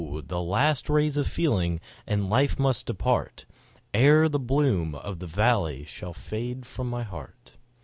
the last rays of feeling and life must depart, Ere the bloom of that valley shall fade from my heart.